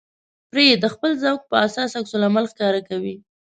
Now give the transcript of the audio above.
پرې د خپل ذوق په اساس عکس العمل ښکاره کوي.